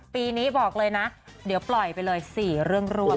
ปีนี้บอกเลยนะเดี๋ยวปล่อยไปเลย๔เรื่องรวด